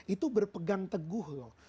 itu berpegang teguh loh